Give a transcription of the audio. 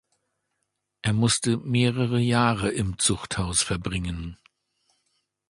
Er musste mehrere Jahre im Zuchthaus verbringen.